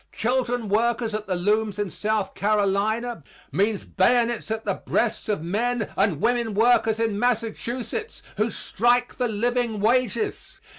Children workers at the looms in South Carolina means bayonets at the breasts of men and women workers in Massachusetts who strike for living wages.